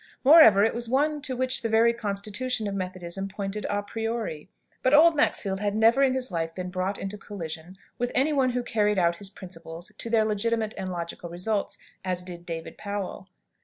Moreover, it was one to which the very constitution of Methodism pointed à priori. But old Maxfield had never in his life been brought into collision with any one who carried out his principles to their legitimate and logical results, as did David Powell.